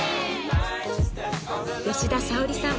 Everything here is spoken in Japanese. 吉田沙保里さん